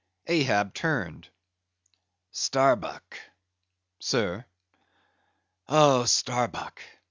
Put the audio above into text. Ahab turned. "Starbuck!" "Sir." "Oh, Starbuck!